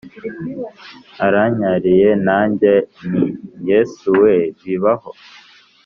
Aranyariye nange nti yesuwe bibaho